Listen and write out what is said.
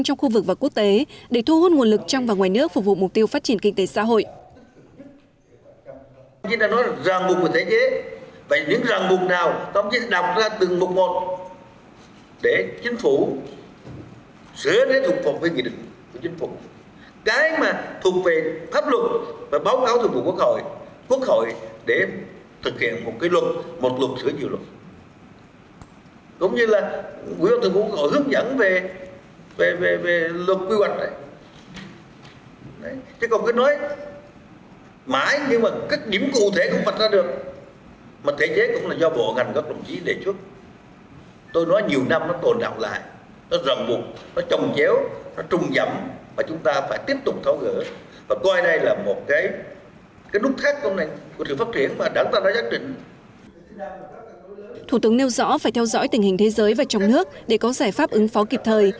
trong khu vực và quốc tế để thu hút nguồn lực trong và ngoài nước phục vụ mục tiêu phát triển kinh tế xã hội